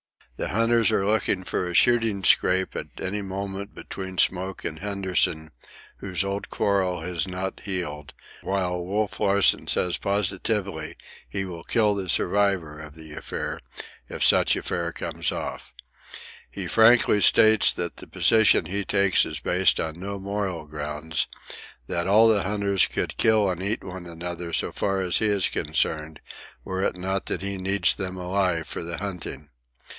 The hunters are looking for a shooting scrape at any moment between Smoke and Henderson, whose old quarrel has not healed, while Wolf Larsen says positively that he will kill the survivor of the affair, if such affair comes off. He frankly states that the position he takes is based on no moral grounds, that all the hunters could kill and eat one another so far as he is concerned, were it not that he needs them alive for the hunting.